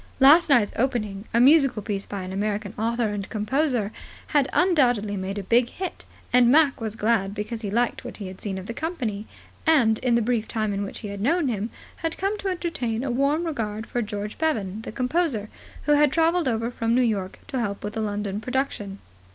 Last night's opening, a musical piece by an American author and composer, had undoubtedly made a big hit, and Mac was glad, because he liked what he had seen of the company, and, in the brief time in which he had known him, had come to entertain a warm regard for George Bevan, the composer, who had travelled over from New York to help with the London production.